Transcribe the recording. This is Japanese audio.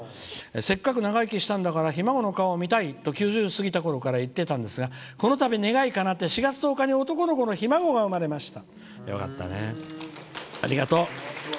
「せっかく、できるんだからひ孫の顔を見たいと９０過ぎたころから言っていたんですがこのたび、願いがかなって男の子のひ孫が生まれました」。